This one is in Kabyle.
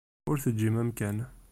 Ur teǧǧim amkan.